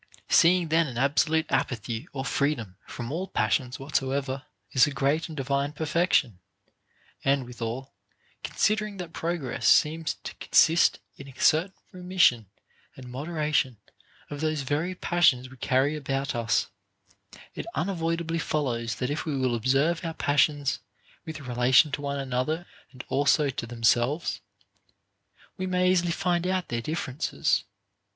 13. Seeing then an absolute apathy or freedom from all passions whatsoever is a great and divine perfection, and, withal, considering that progress seems to consist in a cer tain remission and moderation of those very passions we carry about us, it unavoidably follows, that if we will ob serve our passions, with relation to one another and also to themselves, we may easily find out their differences.